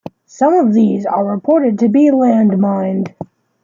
Some of these are reported to be landmined.